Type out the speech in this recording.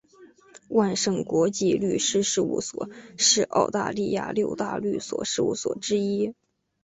万盛国际律师事务所是澳大利亚六大律师事务所之一。